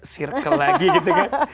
circle lagi gitu kan